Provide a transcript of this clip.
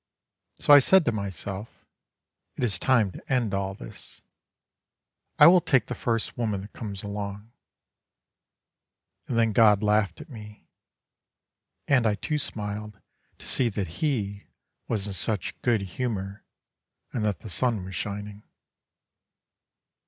So I said to myself, it is time to end all this: I will take the first woman that comes along. And then God laughed at me and I too smiled To see that He was in such good humour and that the sun was shining.